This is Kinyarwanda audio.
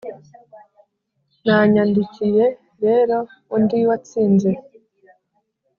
nanyandikiye rero undi watsinze